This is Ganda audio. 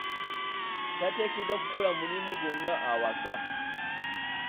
Tateekeddwa kukola mulimu gwanno awaka.